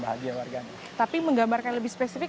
bahagia warganya tapi menggambarkan lebih spesifik